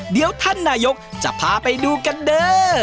เดี๋ยวท่านนายกจะพาไปดูกันเด้อ